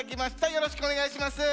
よろしくお願いします。